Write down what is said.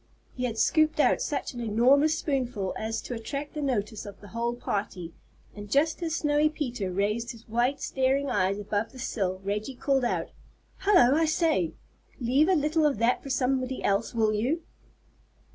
He had scooped out such an enormous spoonful as to attract the notice of the whole party; and just as Snowy Peter raised his white staring eyes above the sill, Reggie called out, "Hullo! I say! leave a little of that for somebody else, will you?"